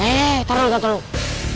eh taruh taruh taruh